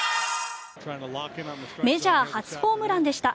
メジャー初ホームランでした。